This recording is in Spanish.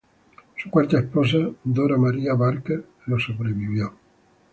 Su cuarta esposa, Dora María Barker, lo sobrevivió.